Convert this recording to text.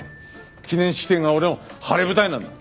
記念式典が俺の晴れ舞台なんだよ。